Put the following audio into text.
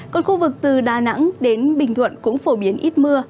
còn khu vực từ đà nẵng đến bình thuận cũng phổ biến ít mưa